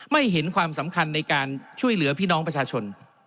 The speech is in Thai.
เห็นความสำคัญในการช่วยเหลือพี่น้องประชาชน